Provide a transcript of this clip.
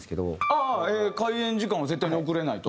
ああ開演時間は絶対に遅れないと？